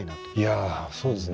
いやそうですね。